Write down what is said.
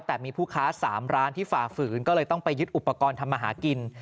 แต่มีผู้ค้า๓ร้านที่ฝ่าฝืนก็เลยต้องไปยึดอุปกรณ์ทำมาหากิน